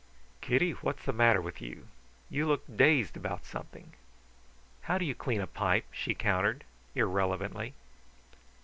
"Kitty, what's the matter with you? You look dazed about something." "How do you clean a pipe?" she countered, irrelevantly.